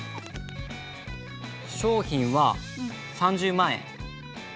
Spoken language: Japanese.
商品は３０万円。